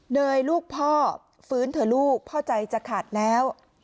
เนยลูกพ่อฟื้นเถอะลูกพ่อใจจะขาดแล้ว